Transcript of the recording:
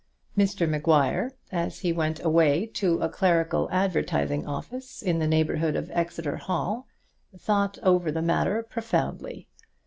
Mr Maguire, as he went away to a clerical advertising office in the neighbourhood of Exeter Hall, thought over the matter profoundly.